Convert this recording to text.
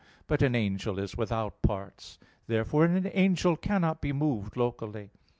_ But an angel is without parts. Therefore an angel cannot be moved locally.